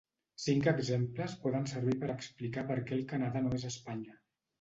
Cinc exemples poden servir per a explicar per què el Canadà no és Espanya.